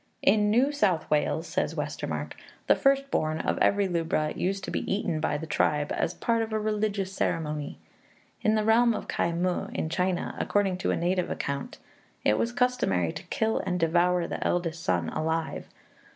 "In New South Wales," says Westermarck, "the first born of every lubra used to be eaten by the tribe 'as part of a religious ceremony.' In the realm of Khai muh, in China, according to a native account, it was customary to kill and devour the eldest son alive.